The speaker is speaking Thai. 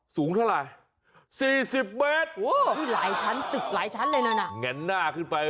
สูงเท่าไร